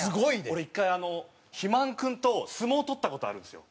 俺１回肥満君と相撲とった事あるんですよ。